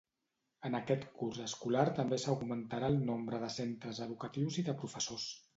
En aquest curs escolar també s'augmentarà el nombre de centres educatius i de professors.